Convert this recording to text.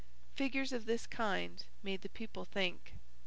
Figures of this kind made the people think.